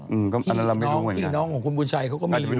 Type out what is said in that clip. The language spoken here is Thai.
อืมอันนั้นเราไม่รู้เหมือนกันนะครับพี่น้องของคุณบุญชัยเขาก็มี